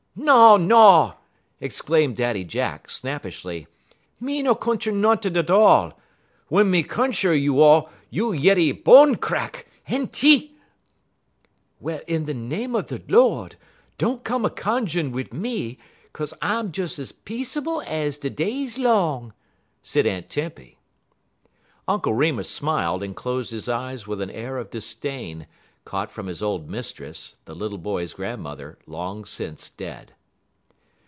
"No no!" exclaimed Daddy Jack, snappishly, "me no cuncher no'n' 't all. Wun me cuncher you all you yeddy bone crack. Enty!" "Well, in de name er de Lord, don't come a cunju'n wid me, 'kaze I'm des as peaceable ez de day's long," said Aunt Tempy. Uncle Remus smiled and closed his eyes with an air of disdain, caught from his old Mistress, the little boy's grandmother, long since dead.